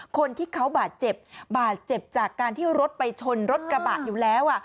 คนที่เขาบาดเจ็บบาดเจ็บจากการที่รถไปชนรถกระบะอยู่แล้ว